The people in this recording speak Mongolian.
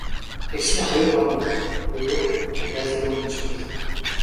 Тэгснээ хоёр хором болов уу, үгүй юу дахиад л үймэн шуугилдана.